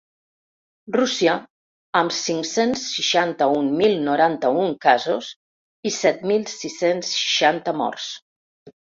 Rússia, amb cinc-cents seixanta-un mil noranta-un casos i set mil sis-cents seixanta morts.